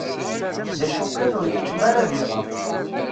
D acu kan ur ikeččem ara ad iɣer.